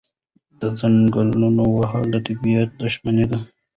د ځنګلونو وهل د طبیعت دښمني ده.